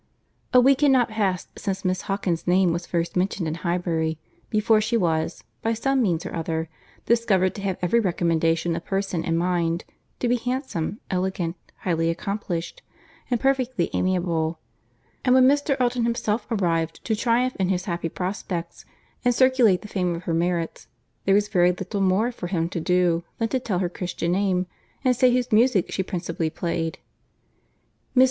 A week had not passed since Miss Hawkins's name was first mentioned in Highbury, before she was, by some means or other, discovered to have every recommendation of person and mind; to be handsome, elegant, highly accomplished, and perfectly amiable: and when Mr. Elton himself arrived to triumph in his happy prospects, and circulate the fame of her merits, there was very little more for him to do, than to tell her Christian name, and say whose music she principally played. Mr.